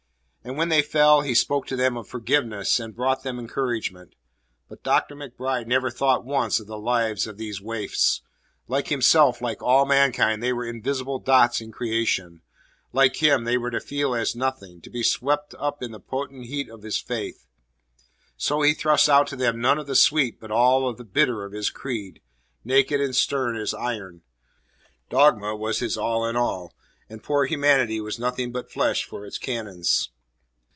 And when they fell he spoke to them of forgiveness and brought them encouragement. But Dr. MacBride never thought once of the lives of these waifs. Like himself, like all mankind, they were invisible dots in creation; like him, they were to feel as nothing, to be swept up in the potent heat of his faith. So he thrust out to them none of the sweet but all the bitter of his creed, naked and stern as iron. Dogma was his all in all, and poor humanity was nothing but flesh for its canons.